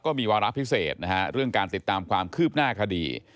มีวาระพิเศษนะฮะเรื่องการติดตามความคืบหน้าคดี